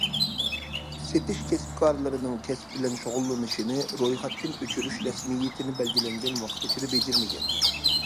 سېتىش كەسىپكارلىرىنىڭ كەسىپ بىلەن شۇغۇللىنىشىنى رويخەتتىن ئۆچۈرۈش رەسمىيىتىنى بەلگىلەنگەن ۋاقىت ئىچىدە بېجىرمىگەن.